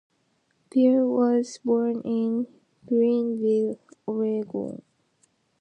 Pearl was born in Prineville, Oregon.